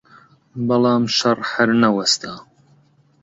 بەڵام شەڕ هەر نەوەستا